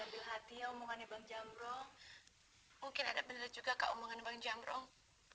kalau diambil hati omongannya bang jamrong mungkin ada bener juga kau umangannya bang jamrong